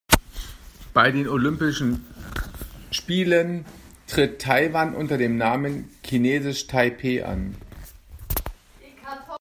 Bei den Olympischen Spielen tritt Taiwan unter dem Namen „Chinesisch Taipeh“ an.